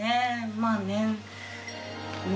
まあね。